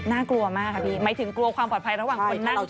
น่ากลัวมากครับพี่หมายถึงกลัวความปลอดภัยระหว่างคนนั่งถูกต้องไหมคะ